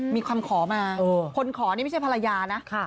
มีคำขอมาคนขอนี่ไม่ใช่ภรรยานะ